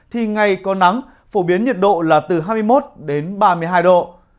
thì ngày có nắng phổ biến nhiệt độ là từ hai mươi một đến ba mươi hai độ